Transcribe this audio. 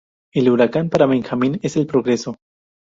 El huracán, para Benjamin, es el progreso.